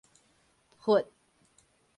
刜